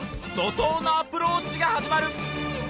怒涛のアプローチが始まる！